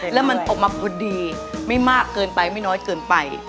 แล้วมันออกมาพอดีไม่มากเกินไปไม่น้อยเกินไป